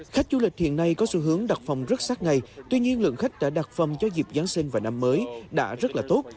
khách du lịch hiện nay có xu hướng đặt phòng rất sát ngày tuy nhiên lượng khách đã đặt phòng cho dịp giáng sinh và năm mới đã rất là tốt